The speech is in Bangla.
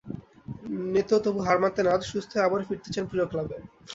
নেতো তবু হার মানতে নারাজ, সুস্থ হয়ে আবারও ফিরতে চান প্রিয় ক্লাবে।